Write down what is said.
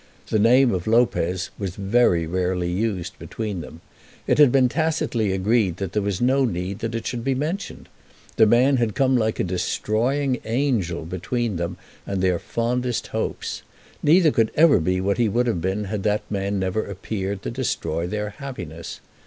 The name of Lopez was very rarely used between them. It had been tacitly agreed that there was no need that it should be mentioned. The man had come like a destroying angel between them and their fondest hopes. Neither could ever be what he would have been had that man never appeared to destroy their happiness.